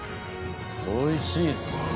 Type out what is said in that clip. おいしいです